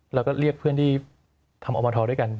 เราก็เรียกเพื่อนที่ทำออกมาท้อด้วยกัน